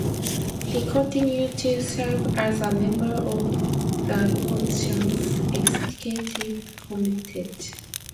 He continues to serve as a member of the Commission's Executive Committee.